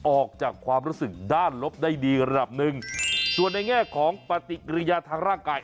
ออกจากความรู้สึกด้านลบได้ดีระดับหนึ่งส่วนในแง่ของปฏิกิริยาทางร่างกาย